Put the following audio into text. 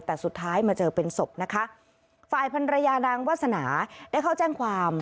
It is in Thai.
แต่สุดท้ายมาเจอเป็นศพนะคะฝ่ายพันรยานางวาสนาได้เข้าแจ้งความ